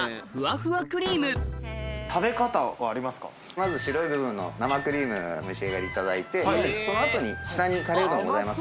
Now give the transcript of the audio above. まず白い部分の生クリームお召し上がりいただいてその後に下にカレーうどんございますので。